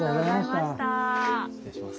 失礼します。